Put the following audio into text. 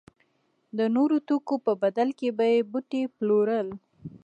د نورو توکو په بدل کې به یې بوټي پلورل.